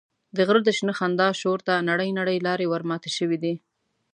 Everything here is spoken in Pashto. د غره د شنه خندا شور ته نرۍ نرۍ لارې ورماتې شوې دي.